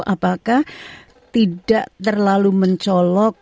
apakah tidak terlalu mencolok